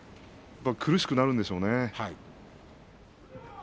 苦しくなるんでしょうね。